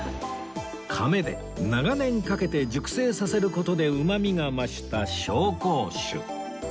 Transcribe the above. かめで長年かけて熟成させる事でうまみが増した紹興酒